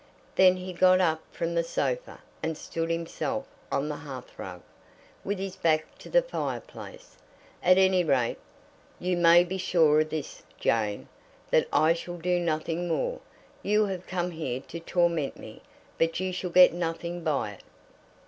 Then he got up from the sofa, and stood himself on the hearthrug, with his back to the fireplace. "At any rate, you may be sure of this, Jane; that I shall do nothing more. You have come here to torment me, but you shall get nothing by it."